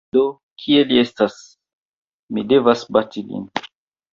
Do, kie li estas; mi devas bati lin